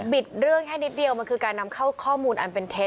เรื่องแค่นิดเดียวมันคือการนำเข้าข้อมูลอันเป็นเท็จ